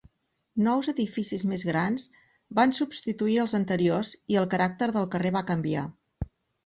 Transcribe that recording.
Nous edificis més grans van substituir els anteriors i el caràcter del carrer va canviar.